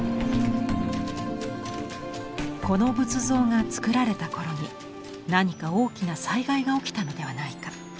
この仏像がつくられた頃に何か大きな災害が起きたのではないか。